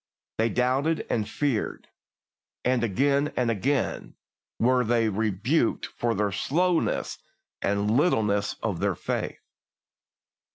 They doubted and feared, and again and again were they rebuked for the slowness and littleness of their faith.